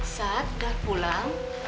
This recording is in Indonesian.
saat dah pulang